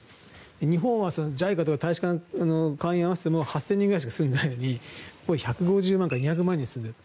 日本はＪＩＣＡとか大使館の関連を合わせても８０００人ぐらいしか住んでいないのに１５０万から２００万人住んでいる。